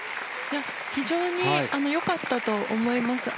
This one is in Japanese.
非常に良かったと思います。